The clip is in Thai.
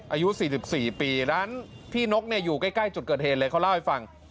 อายุ๔๔ปีร้านพี่นกอยู่ใกล้จุดเกิดเหตุเลยเขาเล่าให้ฟัง